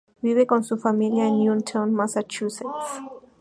Vive con su familia en Newton, Massachusetts.